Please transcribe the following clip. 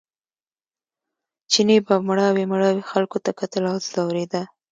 چیني به مړاوي مړاوي خلکو ته کتل او ځورېده.